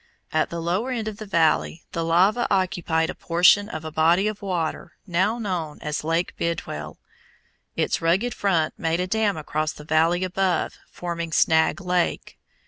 At the lower end of the valley the lava occupied a portion of a body of water now known as Lake Bidwell; its rugged front made a dam across the valley above, forming Snag Lake.